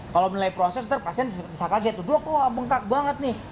kalau menilai proses ntar pasien bisa kaget tuh duh kok bengkak banget nih